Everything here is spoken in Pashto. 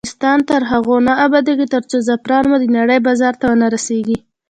افغانستان تر هغو نه ابادیږي، ترڅو زعفران مو د نړۍ بازار ته ونه رسیږي.